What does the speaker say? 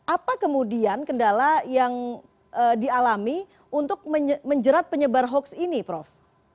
apa kemudian kendala yang dialami untuk menjerat penyebar hoax ini prof